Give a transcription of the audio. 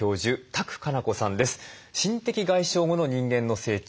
心的外傷後の人間の成長